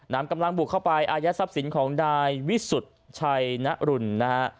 นำกำลังบุกเข้าไปอายัดทรัพย์สินของนายวิสุทธิ์ชัยนรุนนะฮะ